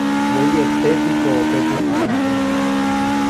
Voietépiko pepu'ãra'e.